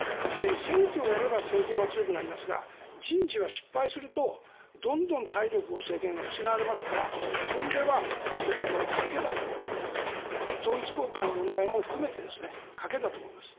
選挙をやれば政権は強くなりますが人事は失敗すると、どんどん政権の体力が失われますからそういう意味では岸田さんは賭けだと統一教会の問題も含めて賭けだと思います。